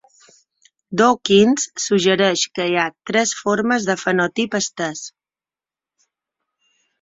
Dawkins suggereix que hi ha tres formes de fenotip estès.